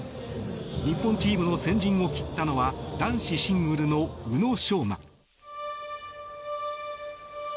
日本チームの先陣を切ったのは男子シングルの宇野昌磨。